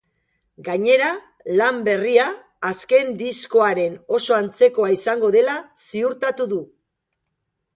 Gainera, lan berria azken diskoaren oso antzekoa izango dela ziurtatu du.